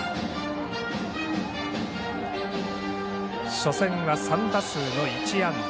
初戦は３打数の１安打。